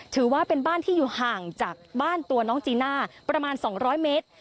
ถือว่าเป็นบ้านที่อยู่ห่างจากบ้านตัวน้องจีน่าประมาณ๒๐๐เมตร